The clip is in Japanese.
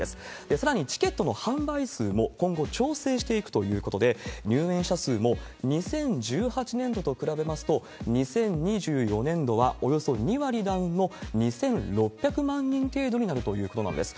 さらに、チケットの販売数も今後、調整していくということで、入園者数も、２０１８年度と比べますと、２０２４年度はおよそ２割ダウンの２６００万人程度になるということなんです。